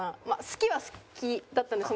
好きは好きだったんです